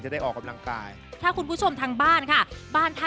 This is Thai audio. เห็นมั้ย